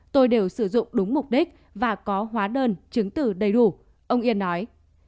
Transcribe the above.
tôi đều sử dụng đúng mục đích và có hóa đơn chứng từ đầy đủ ông yên nói